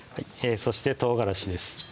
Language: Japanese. そして唐辛子です